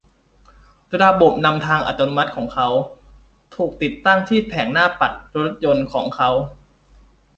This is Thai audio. ระบบนำทางอัตโนมัติของเขา ถูกติดตั้งที่แผงหน้าปัดรถยนต์ของเขา